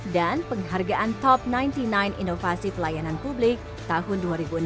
dan penghargaan top sembilan puluh sembilan inovasi pelayanan publik tahun dua ribu enam belas